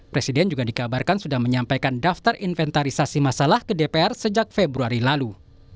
presiden juga dikabarkan sudah menyampaikan daftar inventarisasi masalah ke dpr sejak februari lalu